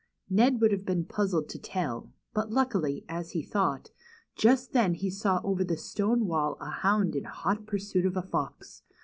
Ned would have been puzzled to tell, but luckily, as he thought, just then he saw over the stone wall a hound in hot pursuit of a fox.